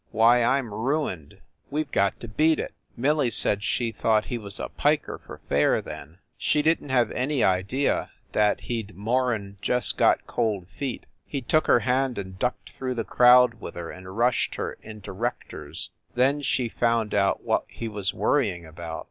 Why, I m ruined. We ve got to beat it!" Millie said she thought he was a piker for fair, then ; she didn t have any idea that he d more n just got cold feet. He took her hand and ducked through the crowd with her and rushed her into Rector s. Then she found out what he was worrying about.